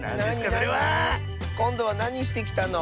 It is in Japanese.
それは⁉こんどはなにしてきたの？